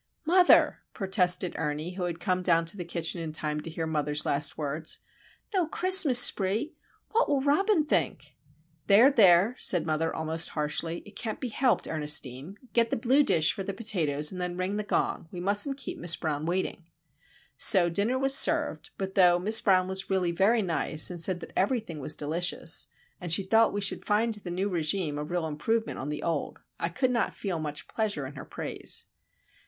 "Mother!" protested Ernie, who had come down to the kitchen in time to hear mother's last words. "No Christmas spree! What will Robin think?" "There, there," said mother, almost harshly. "It can't be helped, Ernestine. Get the blue dish for the potatoes, and then ring the gong. We mustn't keep Miss Brown waiting." So dinner was served; but though Miss Brown was really very nice, and said that everything was "delicious," and she thought we should find the new régime a real improvement on the old, I could not feel much pleasure in her praise.